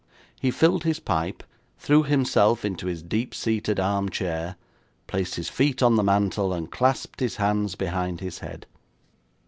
He filled his pipe, threw himself into his deep seated armchair, placed his feet on the mantel, and clasped his hands behind his head.